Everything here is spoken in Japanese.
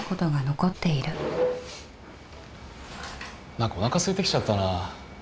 何かおなかすいてきちゃったな。